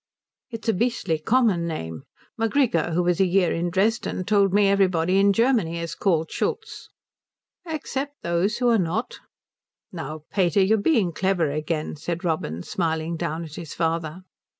"It's a beastly common name. Macgrigor, who was a year in Dresden, told me everybody in Germany is called Schultz." "Except those who are not." "Now, pater, you're being clever again," said Robin, smiling down at his father.